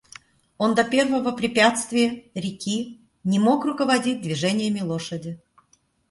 Он до первого препятствия, реки, не мог руководить движениями лошади.